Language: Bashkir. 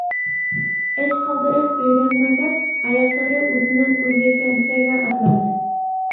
Эш ҡалдырып өйрәнмәгәс, аяҡтары үҙенән-үҙе кәнсәгә атланы.